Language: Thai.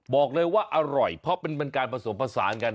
บอกเลยว่าอร่อยเพราะเป็นการผสมผสานกัน